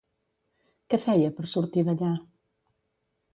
Què feia per sortir d'allà?